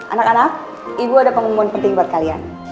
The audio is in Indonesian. anak anak ibu ada pengumuman penting buat kalian